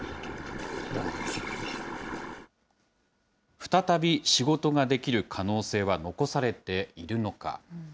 再び仕事ができる可能性は残されているのか。